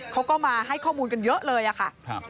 เขาก็มาให้ข้อมูลกันเยอะเลยอะค่ะ